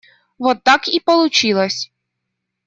Вот так и получилось.